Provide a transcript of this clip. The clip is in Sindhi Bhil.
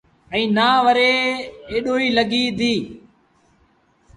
ائيٚݩ نا وري ايٚڏوئيٚ لڳي ديٚ۔